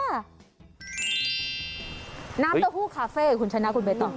น้ำโต้หู้กาเฟ่ของขุนช้านะคุณเบต้อง